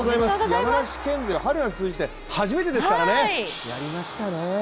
山梨県勢、春夏通じて初めてですからね、やりましたね。